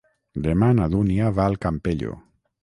Demà na Dúnia va al Campello.